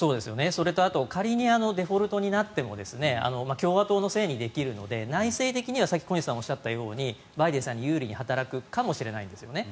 それと仮にデフォルトになっても共和党のせいにできるので内政的にはさっき小西さんがおっしゃったようにバイデンさんに有利に働くかもしれないんですよね。